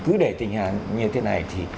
cứ để tình hình như thế này thì